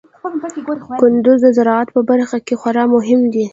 کندز د زراعت په برخه کې خورا مهم دی.